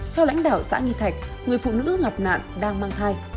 theo lãnh đạo xã nghi thạch người phụ nữ gặp nạn đang mang thai